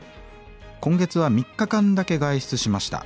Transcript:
「今月は３日間だけ外出しました。